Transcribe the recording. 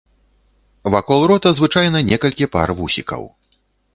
Вакол рота звычайна некалькі пар вусікаў.